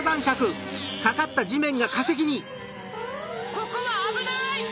ここはあぶない！